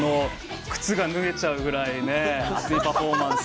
靴が脱げちゃうぐらい熱いパフォーマンス。